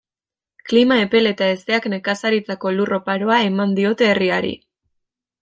Klima epel eta hezeak nekazaritzarako lur oparoa eman diote herriari.